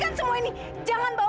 turun enggak kamu